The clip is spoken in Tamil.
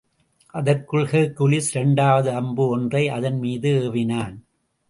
அதற்குள் ஹெர்க்குலிஸ் இரண்டாவது அம்பு ஒன்றை அதன் மீது ஏவினான்.